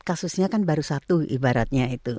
kasusnya kan baru satu ibaratnya itu